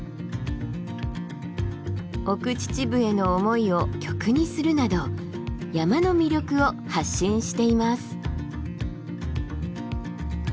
奥秩父への思いを曲にするなど山の魅力を発信しています。